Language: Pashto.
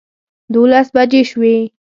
دولس بجې شوې.